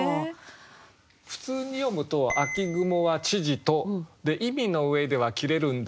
普通に読むと「秋雲は千々と」で意味の上では切れるんだけど。